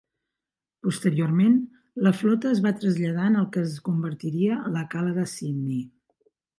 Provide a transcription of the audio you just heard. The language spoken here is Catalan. Posteriorment la flota es va traslladar en el que es convertiria la cala de Sidney.